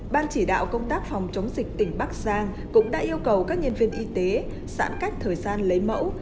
ban chỉ đạo công tác phòng chống dịch tỉnh bắc giang cũng đã yêu cầu các nhân viên y tế giãn cách thời gian lấy mẫu